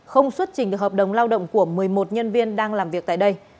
không xuất trình được hợp đồng lao động của một mươi một nhân viên đang làm việc tại đây